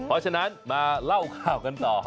เพราะฉะนั้นมาเล่าข่าวกันต่อ